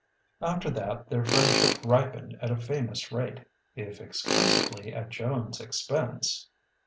After that their friendship ripened at a famous rate, if exclusively at Joan's expense.